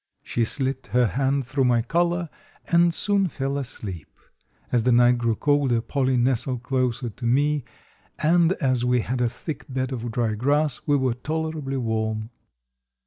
She slipped her hand through my collar and soon fell asleep. As the night grew colder, Polly nestled closer to me, and as we had a thick bed of dry grass we were tolerably warm.